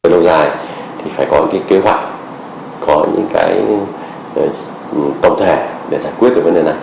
tổng thể để giải quyết vấn đề này